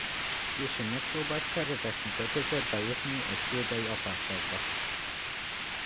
Később megpróbált szerzetesnek öltözve bejutni egy fuldai apátságba.